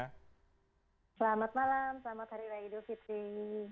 selamat malam selamat hari raya idul fitri